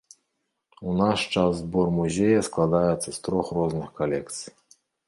У наш час збор музея складаецца з трох розных калекцый.